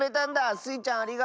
スイちゃんありがとう！